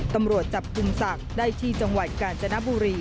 ตำรวจจับกลุ่มศักดิ์ได้ที่จังหวัดกาญจนบุรี